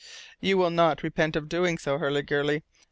"You will not repent of doing so, Hurliguerly.